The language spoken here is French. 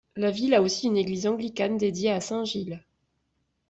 La ville a aussi une église anglicane dédiée à St Giles.